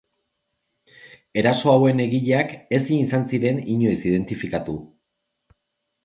Eraso hauen egileak ezin izan ziren inoiz identifikatu.